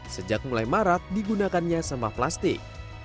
sejak mulai marak digunakannya sampah plastik